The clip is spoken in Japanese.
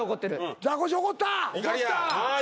ザコシ怒った！